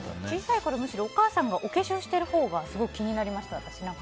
小さいころ、お母さんがお化粧しているほうがすごく気になりました。